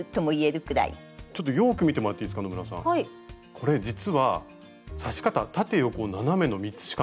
これ実は刺し方縦横斜めの３つしかない。